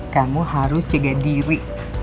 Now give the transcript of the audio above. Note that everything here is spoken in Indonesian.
kamu harus jaga diri